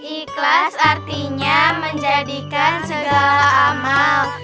ikhlas artinya menjadikan segala amal